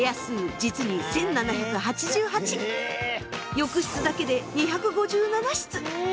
浴室だけで２５７室！